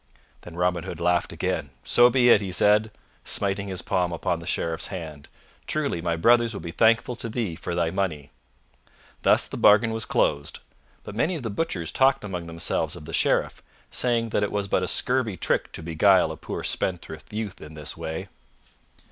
Then Robin Hood laughed again. "So be it," he said, smiting his palm upon the Sheriff's hand. "Truly my brothers will be thankful to thee for thy money." Thus the bargain was closed, but many of the butchers talked among themselves of the Sheriff, saying that it was but a scurvy trick to beguile a poor spendthrift youth in this way.